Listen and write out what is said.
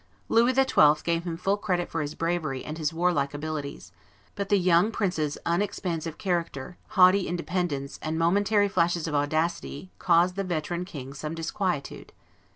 Louis XII. gave him full credit for his bravery and his warlike abilities; but the young prince's unexpansive character, haughty independence, and momentary flashes of audacity, caused the veteran king some disquietude.